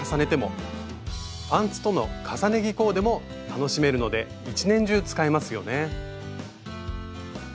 パンツとの重ね着コーデも楽しめるので一年中使えますよね。